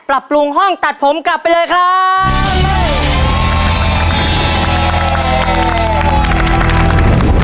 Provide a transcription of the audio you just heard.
ปรับปรุงห้องตัดผมกลับไปเลยครับ